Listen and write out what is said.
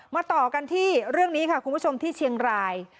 ต่อกันที่เรื่องนี้ค่ะคุณผู้ชมที่เชียงราย